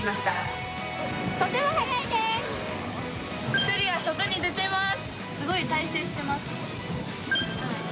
１人は外に出てます。